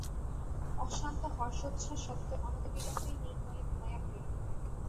অশান্ত হর্ষোচ্ছ্বাস সত্ত্বেও অনতিবিলম্বেই মৃন্ময়ী ঘুমাইয়া পড়িল।